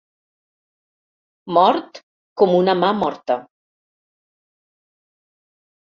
Mort com una mà morta.